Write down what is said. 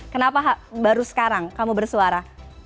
kenapa baru sekarang kamu bersuara